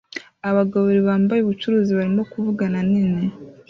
Abagabo babiri bambaye ubucuruzi barimo kuvugana nini